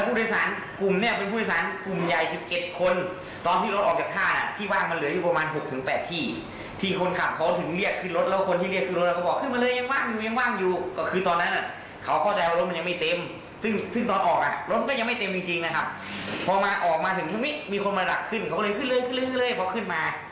ผู้จัดการรถก็เลยมีส่วนหนึ่งที่ต้องได้ยืน